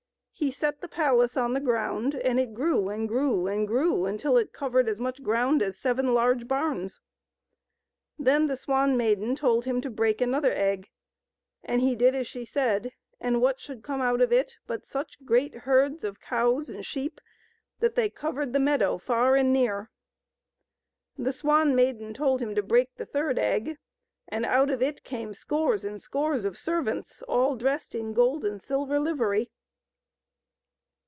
He set the palace on the ground, and it grew and grew and grew until it covered as much ground as seven large bams. Then the Swan Maiden told him to break another egg, and he did as she said, and what should come out of it but such great herds of cows and sheep that they covered the meadow far and near. The Swan Maiden told him to break the third egg, and out of it came scores and scores of servants all dressed in gold and silver livery.